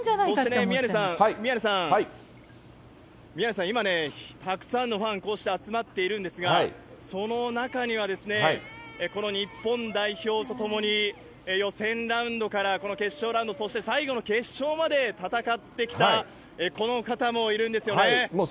そしてね、宮根さん、宮根さん、今ね、たくさんのファン、こうして集まっているんですが、その中には、この日本代表とともに、予選ラウンドからこの決勝ラウンド、そして最後の決勝まで戦ってきたこの方もいるんですよね。